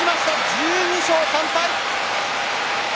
１２勝３敗。